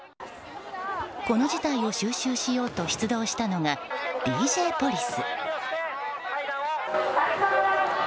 この事態を収拾しようと出動したのがＤＪポリス。